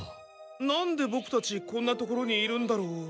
なんでボクたちこんな所にいるんだろう。